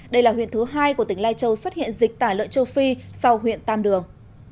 đây là huyện thứ hai của tỉnh lai châu xuất hiện dịch tả lợn châu phi sau huyện tam đường